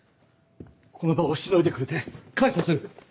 この場をしのいでくれて感謝する。